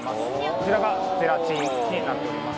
こちらがゼラチンになっております